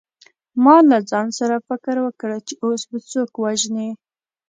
ما له ځان سره فکر وکړ چې اوس به څوک وژنې